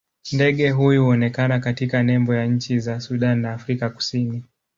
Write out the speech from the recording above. Ndege huyu huonekana katika nembo ya nchi za Sudan na Afrika Kusini.